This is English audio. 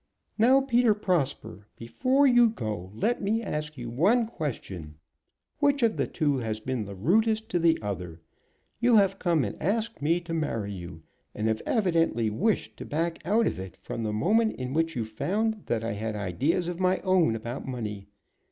"Now, Peter Prosper, before you go let me ask you one question. Which of the two has been the rudest to the other? You have come and asked me to marry you, and have evidently wished to back out of it from the moment in which you found that I had ideas of my own about money.